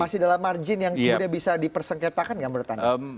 masih dalam margin yang kemudian bisa dipersengketakan nggak menurut anda